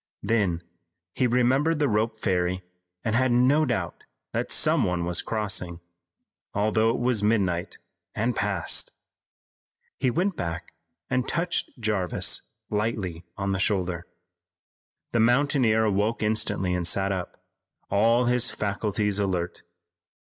Then he remembered the rope ferry and he had no doubt that some one was crossing, although it was midnight and past. He went back and touched Jarvis lightly on the shoulder. The mountaineer awoke instantly and sat up, all his faculties alert.